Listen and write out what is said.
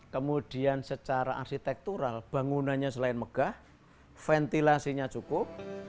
kemudian secara arsitektural bangunannya selain megah ventilasinya cukup